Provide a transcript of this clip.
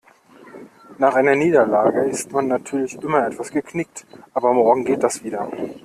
Nach einer Niederlage ist man natürlich immer etwas geknickt, aber morgen geht das wieder.